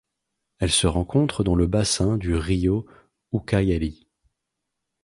Elle se rencontre dans le bassin du río Ucayali.